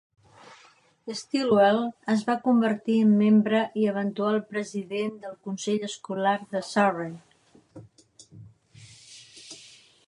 Stilwell es va convertir en membre i eventual president del Consell Escolar de Surrey.